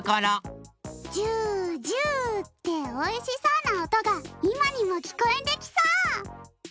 ジュジュっておいしそうなおとがいまにもきこえてきそう！